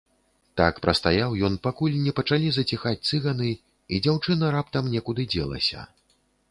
Так прастаяў ён, пакуль не пачалі заціхаць цыганы і дзяўчына раптам некуды дзелася.